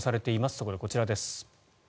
そこでこちらです。